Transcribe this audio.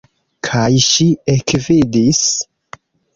Kaj ŝi ekvidis.